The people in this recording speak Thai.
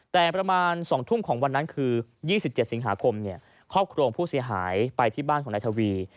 แต่ประมาณ๒ทุ่มของวันนั้นคือ๒๗สิงหาคมครอบครัวของผู้เสียหายไปที่บ้านของนายทวี